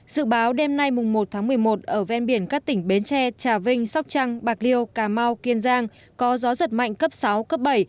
dự báo đêm nay một tháng một mươi một ở ven biển các tỉnh bến tre trà vinh sóc trăng bạc liêu cà mau kiên giang có gió giật mạnh cấp sáu cấp bảy